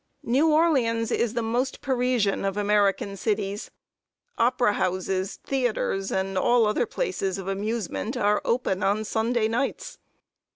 New Orleans is the most Parisian of American cities. Opera houses, theaters, and all other places of amusement are open on Sunday nights.